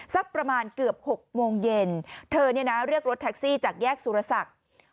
สักประมาณเกือบ๖โมงเย็นเธอเนี่ยนะเรียกรถแท็กซี่จากแยกสุรศักดิ์